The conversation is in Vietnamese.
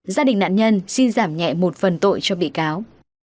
gia đình nạn nhân xin giảm nhẹ một phần tội cho bị cáo